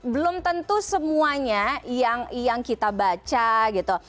belum tentu semuanya yang kita baca gitu